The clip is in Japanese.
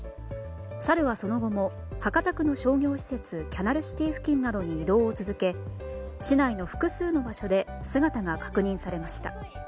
サルはその後も博多区の商業施設キャナルシティ付近などに移動を続け市内の複数の場所で姿が確認されました。